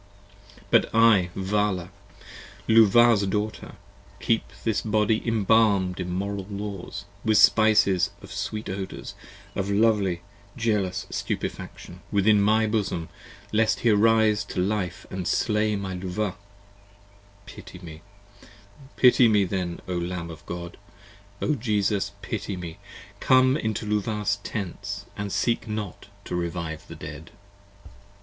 But I Vala, Luvah's daughter, keep his body embalm'd in moral laws, With spices of sweet odours of lovely jealous stupefaction, Within my bosom, lest he arise to life & slay my Luvah. 30 Pity me then O Lamb of God! O Jesus pity me! Come into Luvah's Tents and seek not to revive the Dead!